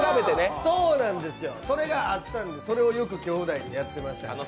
それがあったんで、それをよくきょうだいでやってました。